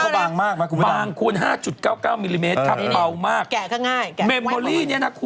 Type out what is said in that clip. มันบางมากนะบางคูณ๕๙๙มิลลิเมตรครับเปล่ามาก